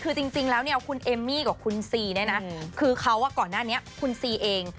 คือจริงแล้วเนี่ยคุณเอมมี่กับคุณซีเนี่ยนะคือเขาก่อนหน้านี้คุณซีเอง